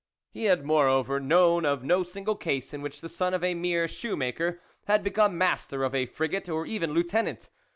He had moreover known of no single case in which the son of a mere shoe maker had become Master of a Frigate, or even Lieutenant.